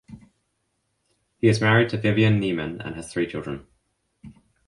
He is married to Viviana Nieman and has three children.